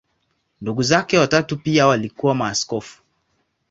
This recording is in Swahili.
Ndugu zake watatu pia walikuwa maaskofu.